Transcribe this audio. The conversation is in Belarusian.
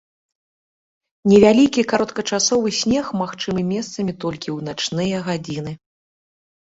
Невялікі кароткачасовы снег магчымы месцамі толькі ў начныя гадзіны.